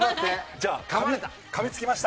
じゃあ、かみつきました。